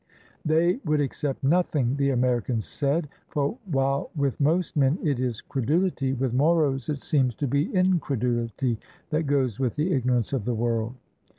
They would accept nothing the Americans said, for while with most men it is credulity, with Moros it seems to be increduhty, that goes with ignorance of the world.